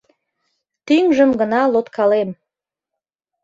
Тӱҥжым гына лоткалем.